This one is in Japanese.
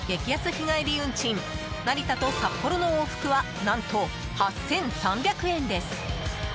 日帰り運賃成田と札幌の往復は何と８３００円です。